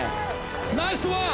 ナイスワン！